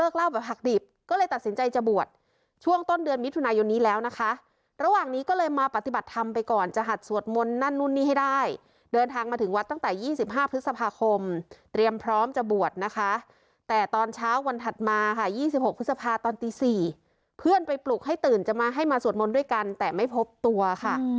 ช่วงต้นเดือนมิถุนายนนี้แล้วนะคะระหว่างนี้ก็เลยมาปฏิบัติธรรมไปก่อนจะหัดสวดมนต์นั่นนู่นนี่ให้ได้เดินทางมาถึงวัดตั้งแต่๒๕พฤษภาคมเตรียมพร้อมจะบวชนะคะแต่ตอนเช้าวันถัดมาค่ะ๒๖พฤษภาตอนตี๔เพื่อนไปปลุกให้ตื่นจะมาให้มาสวดมนต์ด้วยกันแต่ไม่พบตัวค่ะ